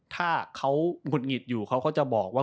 ถ้าเขาหงุดหงิดอยู่เขาก็จะบอกว่า